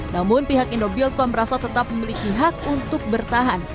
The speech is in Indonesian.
namun pihak indobiotkom merasa tetap memiliki hak untuk bertahan